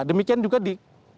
demikian juga di